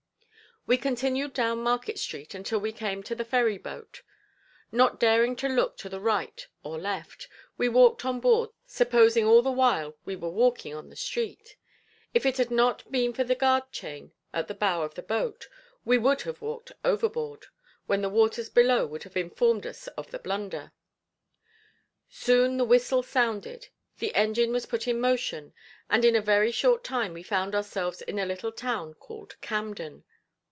We continued down Market Street until we came to the ferry boat. Not daring to look to the right or left, we walked on board supposing all the while we were walking on the street. If it had not been for the guard chain at the bow of the boat, we would have walked overboard, when the waters below would have informed us of the blunder. Soon the whistle sounded, the engine was put in motion, and in a very short time we found ourselves in a little town called Camden.